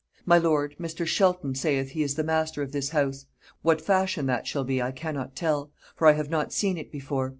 "My lord, Mr. Shelton saith he is the master of this house: what fashion that shall be, I cannot tell; for I have not seen it before.